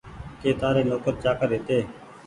ڪي تآري نوڪر چآڪر هيتي